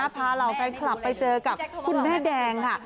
เหล่าแฟนคลับไปเจอกับคุณแม่แดงค่ะ